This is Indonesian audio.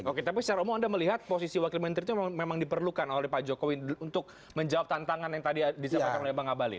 oke tapi secara umum anda melihat posisi wakil menteri itu memang diperlukan oleh pak jokowi untuk menjawab tantangan yang tadi disampaikan oleh bang abalin